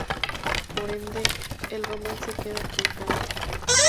Por ende, el romance queda truncado.